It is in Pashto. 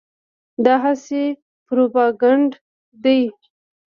دا هسې پروپاګند دی.